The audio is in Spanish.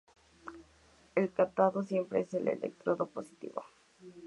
El cátodo siempre es el electrodo positivo.